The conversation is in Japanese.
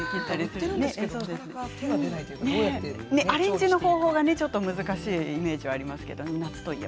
アレンジの方法が難しいイメージがあります。